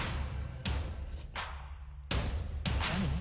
何？